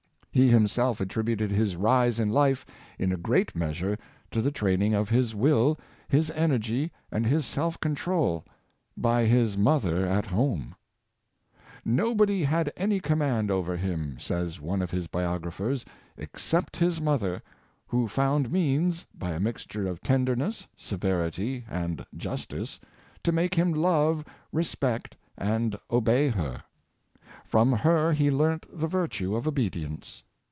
He himself attributed his rise in life in a great measure to the training of his will, his energy^ and his self control, by his mother at home. " Nobody had any command over him," says one of his biograph ers, " except his mother, who found means, by a mixture of tenderness, severity, and justice, to make him love, 100 The Mother'' s Influejice, respect, and obey her; from her he learnt the virtue of obedience."